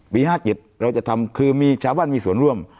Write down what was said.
๕๗เราจะทำคือมีชาวบ้านมีส่วนร่วม